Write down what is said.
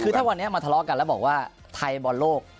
คือถ้าวันนี้มาทะเลาะกันแล้วบอกว่าไทยบอลโลก